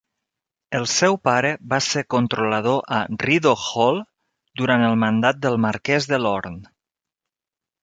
El seu pare va ser controlador a Rideau Hall durant el mandat del Marqués de Lorne.